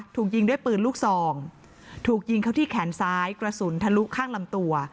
ถูกยิงด้วยปืนลูกซองถูกยิงเขาที่แขนซ้ายกระสุนทะลุข้างลำตัว